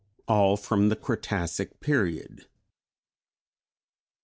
All from the Cretacic period.